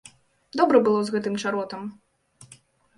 Добра было з гэтым чаротам.